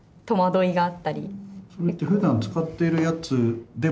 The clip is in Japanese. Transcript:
それってふだん使ってるやつでも？